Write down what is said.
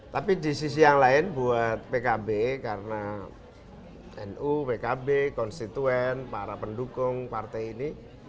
tapi di sisi yang lain buat pkb karena nu pkb konstituen para pendukung partai ini